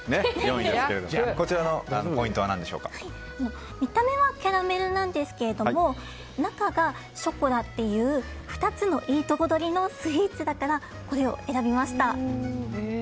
４位ですけれども見た目はキャラメルなんですが中がショコラという２つのいいとこ取りのスイーツだからこれを選びました。